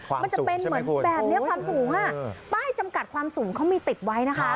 มันจะเป็นเหมือนแบบนี้ความสูงป้ายจำกัดความสูงเขามีติดไว้นะคะ